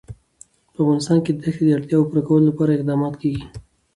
په افغانستان کې د ښتې د اړتیاوو پوره کولو لپاره اقدامات کېږي.